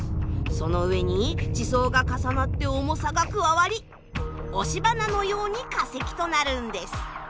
その上に地層が重なって重さが加わり押し花のように化石となるんです。